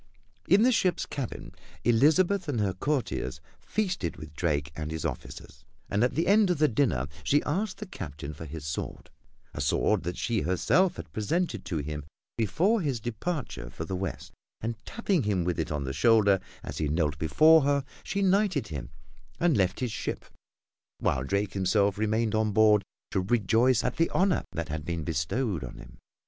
In the ship's cabin Elizabeth and her courtiers feasted with Drake and his officers, and at the end of the dinner she asked the Captain for his sword a sword that she herself had presented to him before his departure for the west, and tapping him with it on the shoulder as he knelt before her, she knighted him, and left his ship, while Drake himself remained on board to rejoice at the honor that had been bestowed on him.